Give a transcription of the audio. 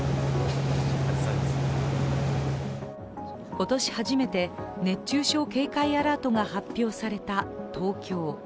今年初めて熱中症警戒アラートが発表された東京。